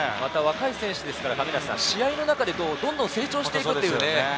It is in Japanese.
若い選手ですから試合の中でどんどん成長していくという。